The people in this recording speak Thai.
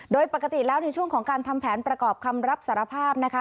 โดยปกติแล้วในช่วงของการทำแผนประกอบคำรับสารภาพนะคะ